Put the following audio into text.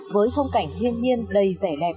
với phong cảnh thiên nhiên đầy vẻ đẹp